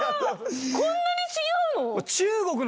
こんなに違うの！？